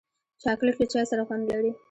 چاکلېټ له چای سره خوند لري.